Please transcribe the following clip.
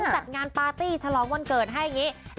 จัดงานปาตี้ฉลองวันเกิดให้แบบนี้